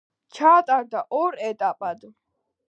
ჩატარდა ორ ეტაპად.